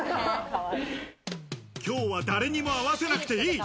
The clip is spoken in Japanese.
今日は誰にも合わせなくていい。